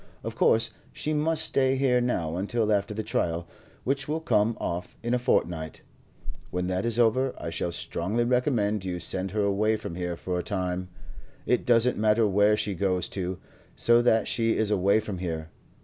Of course she must stay here now until after the trial, which will come off in a fortnight. When that is over, I should strongly recommend you to send her away from here for a time; it doesn't matter where she goes to, so that she is away from here.